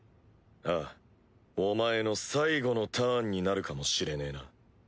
ああお前の最後のターンになるかもしれねえな。